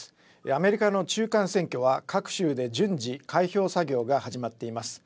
アメリカの中間選挙は各州で順次開票作業が始まっています。